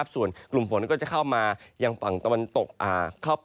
ส่วนกลุ่มฝนก็จะเข้ามายังฝั่งตะวันตก